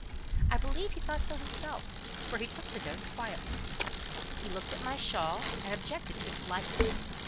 I believe he thought so himself, for he took the dose quietly. He looked at my shawl and objected to its lightness.